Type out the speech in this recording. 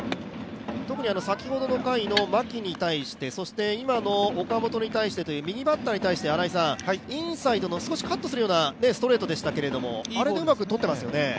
特に先ほどの回の牧に対してそして今の岡本に対して、右バッターに対して、インサイドの、少しカットするようなストレートでしたけどもあれでうまくとってますよね。